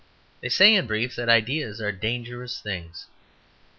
They say, in brief, that ideas are dangerous things.